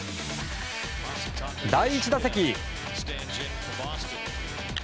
第１打席。